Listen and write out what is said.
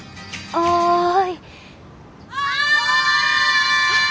おい！